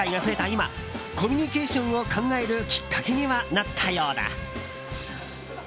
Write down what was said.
今コミュニケーションを考えるきっかけにはなったようだ。